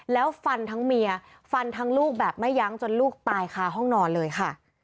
แล้วฟันทั้งเมียฟันทั้งลูกแบบไม่ยั้งจนลูกตายคาห้องนอนเลยค่ะ